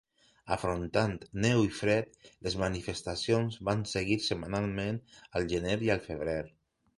Afrontant neu i fred, les manifestacions van seguir setmanalment al gener i al febrer.